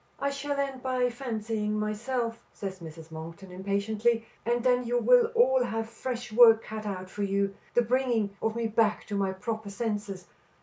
"I shall end by fancying myself," says Mrs. Monkton, impatiently, "and then you will all have fresh work cut out for you; the bringing of me back to my proper senses.